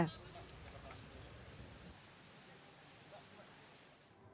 sampai jumpa di video selanjutnya